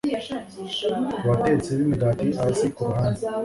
Abatetsi bimigati hasi kuruhande